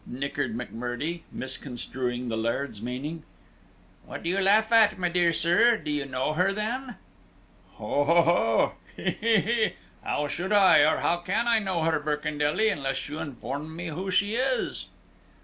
nichered McMurdie, misconstruing the Laird's meaning. "What do you laugh at, my dear sir? Do you know her, then?" "Ho ho ho! Hee hee hee! How should I, or how can I, know her, Birkendelly, unless you inform me who she is?"